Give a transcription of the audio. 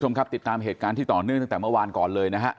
คุณผู้ชมครับติดตามเหตุการณ์ที่ต่อเนื่องตั้งแต่เมื่อวานก่อนเลยนะฮะ